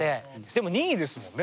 でも２位ですもんね。